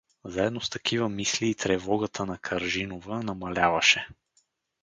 Заедно с такива мисли и тревогата на Каржинова намаляваше.